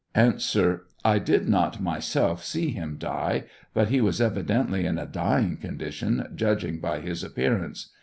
A I did not, myself, see him die; but he was evidently in a dying condition, judging by his appearance.